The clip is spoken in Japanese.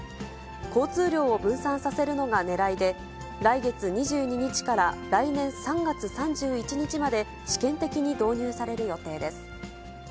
交通量を分散させるのがねらいで、来月２２日から来年３月３１日まで、試験的に導入される予定です。